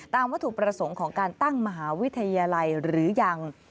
วัตถุประสงค์ของการตั้งมหาวิทยาลัยหรือยัง